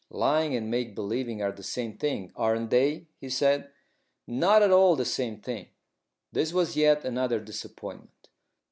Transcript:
"Lying and make believing are the same thing, aren't they?" he said. "Not at all the same thing." This was yet another disappointment.